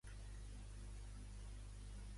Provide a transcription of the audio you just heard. M'agradaria engegar l'app Gencat.